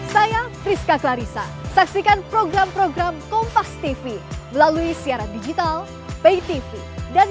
saya priska clarissa saksikan program program kompas tv melalui siaran digital pay tv dan